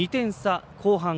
２点差、後半。